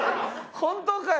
本当かよ？